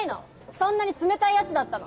そんなに冷たいヤツだったの！